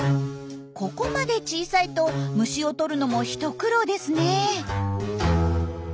ここまで小さいと虫をとるのも一苦労ですね。